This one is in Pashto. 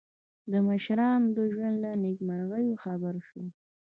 د مشرانو د ژوند له نېکمرغیو خبر شو.